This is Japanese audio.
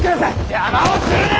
邪魔をするな！